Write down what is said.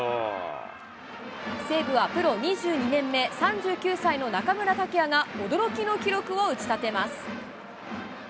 西武はプロ２２年目、３９歳の中村剛也が驚きの記録を打ち立てます。